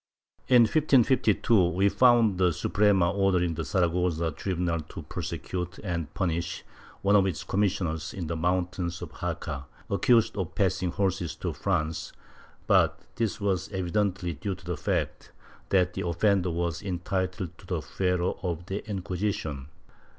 In 1552, we find the Suprema ordering the Saragossa tribunal to prosecute and punish one of its commissioners in the mountains of Jaca, accused of passing horses to France, but this was evidently due to the fact that the offender was entitled to the fuero of the Inquisition.